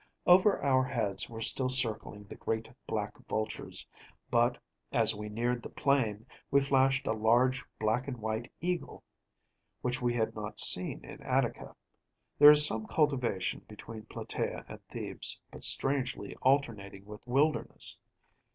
Over our heads were still circling the great black vultures; but, as we neared the plain, we flashed a large black and white eagle, which we had not seen in Attica. There is some cultivation between Platæa and Thebes, but strangely alternating with wilderness.